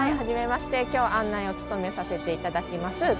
初めまして今日案内を務めさせていただきます